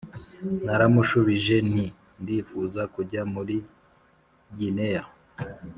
naramushubije nti ndifuza kujya muri gineya